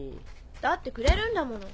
だってくれるんだもの。